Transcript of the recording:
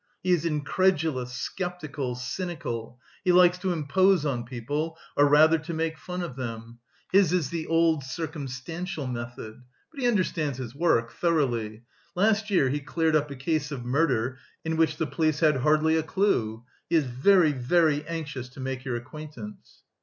He is incredulous, sceptical, cynical... he likes to impose on people, or rather to make fun of them. His is the old, circumstantial method.... But he understands his work... thoroughly.... Last year he cleared up a case of murder in which the police had hardly a clue. He is very, very anxious to make your acquaintance!"